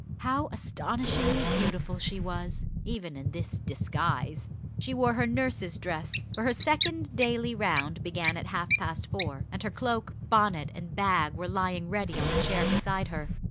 How astonishingly beautiful she was, even in this disguise! She wore her nurse's dress; for her second daily round began at half past four, and her cloak, bonnet, and bag were lying ready on a chair beside her.